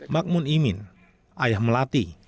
makmun imin ayah melati